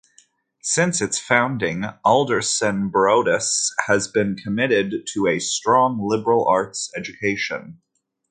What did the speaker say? Since its founding, Alderson Broaddus has been committed to a strong liberal arts education.